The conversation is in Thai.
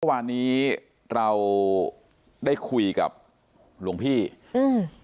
วันนี้เราได้คุยกับหลวงพี่อืม